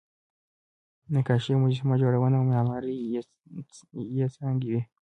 نقاشي، مجسمه جوړونه او معماري یې څانګې وې.